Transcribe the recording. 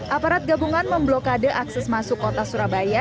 aparat gabungan memblokade akses masuk kota surabaya